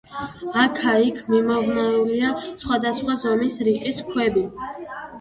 აქა-იქ მიმობნეულია სხვადასხვა ზომის რიყის ქვები.